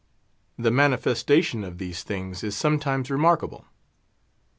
The manifestation of these things is sometimes remarkable.